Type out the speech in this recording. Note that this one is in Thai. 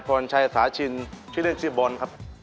ภรรชายอาสาชินชื่อเรียกชื่อบอลครับ